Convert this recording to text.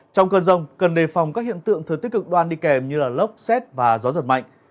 trong cơn rông cần nề phòng các hiện tượng thừa tích cực đoan đi kèm như lốc xét và gió giật mạnh